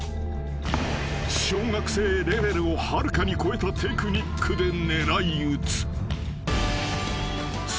［小学生レベルをはるかに超えたテクニックで狙い撃つ］